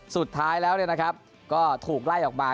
สุดท้ายแล้วก็ถูกไล่ออกมา